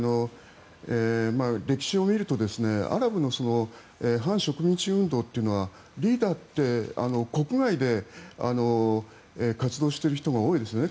歴史を見るとアラブの反植民地運動というのはリーダーって国外で活動している人が多いですね。